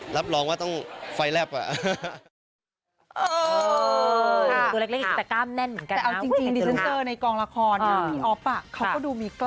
ครั้งที่๓แล้วนี่กำลังจะเริ่มครั้งที่๔